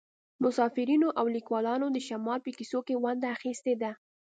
مسافرینو او لیکوالانو د شمال په کیسو کې ونډه اخیستې ده